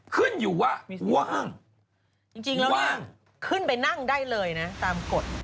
ขึ้นไปนั่งได้เลยนั้นตามกฎ